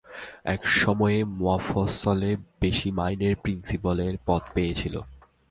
এক সময়ে মফস্বলে বেশি মাইনের প্রিন্সিপালের পদ পেয়েছিল।